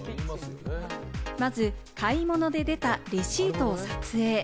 まず買い物で出たレシートを撮影。